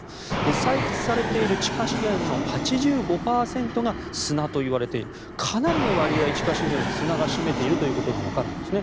採掘されている地下資源の８５％が砂と言われているかなりの割合を地下資源、砂が占めていることがわかるんですね。